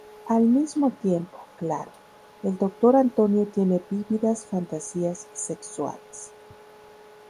Al mismo tiempo, claro, el doctor Antonio tiene vívidas fantasías sexuales.